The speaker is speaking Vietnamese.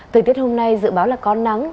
thời tiết hôm nay dự báo là có nắng